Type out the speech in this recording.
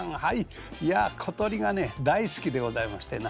いや小鳥がね大好きでございましてな